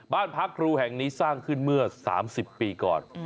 บ้านพักครูแห่งนี้สร้างขึ้นเมื่อ๓๐ปีก่อน